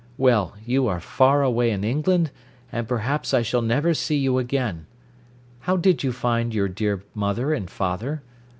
Well, you are far away in England, and perhaps I shall never see you again. How did you find your dear mother and father?